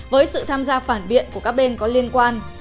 với sự tham gia phản biện của các bên có liên quan